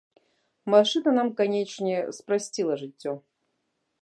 Машына нам, канечне, спрасціла жыццё.